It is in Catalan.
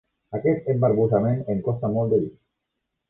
Aquest embarbussament em costa molt de dir.